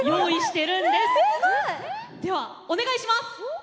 ではお願いします！